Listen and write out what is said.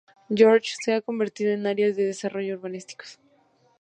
George se ha convertido en áreas de desarrollo urbanísticos.